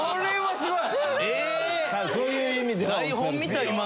すごい！